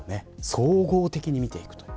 総合的に見ていくという。